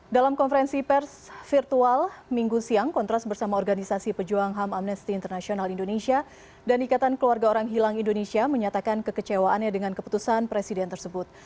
dalam konferensi pers virtual minggu siang kontras bersama organisasi pejuang ham amnesty international indonesia dan ikatan keluarga orang hilang indonesia menyatakan kekecewaannya dengan keputusan presiden tersebut